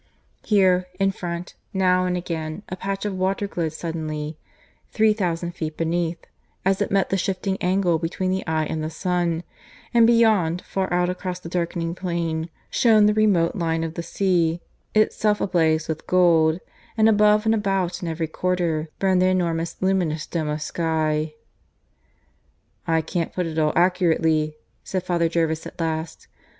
Here, in front, now and again a patch of water glowed suddenly, three thousand feet beneath, as it met the shifting angle between the eye and the sun; and beyond, far out across the darkening plain, shone the remote line of the sea, itself ablaze with gold, and above and about in every quarter burned the enormous luminous dome of sky. "I can't put it all accurately," said Father Jervis at last.